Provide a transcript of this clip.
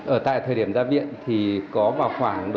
ở tại thời điểm ra viện thì có vào khoảng độ